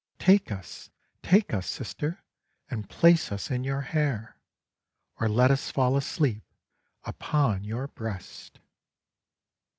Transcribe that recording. Take us, take us, Sister, and place us in your hair, or let us fall asleep upon your breast."